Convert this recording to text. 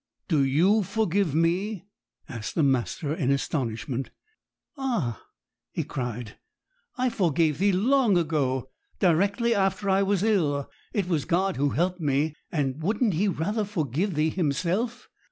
'Do you forgive me?' asked the master, in astonishment. 'Ah,' he cried, 'I forgave thee long since, directly after I was ill. It was God who helped me; and wouldn't He rather forgive thee Himself?